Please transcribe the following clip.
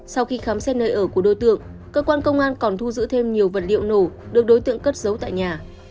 sau khi khám xét nơi ở của đối tượng cơ quan công an còn thu giữ thêm nhiều vật liệu nổ được đối tượng cất giấu tại nhà